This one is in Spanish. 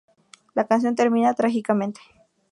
La canción termina trágicamente.